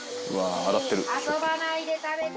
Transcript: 遊ばないで食べて。